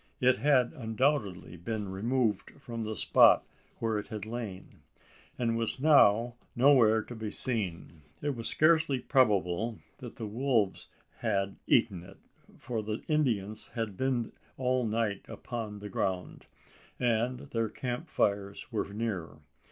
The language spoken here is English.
It had undoubtedly been removed from the spot where it had lain; and was now nowhere to be seen! It was scarcely probable that the wolves had eaten it, for the Indians had been all night upon the ground; and their camp fires were near.